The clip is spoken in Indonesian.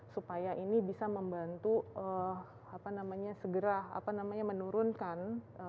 supaya ini bisa membantu apa namanya segera apa namanya menurunkan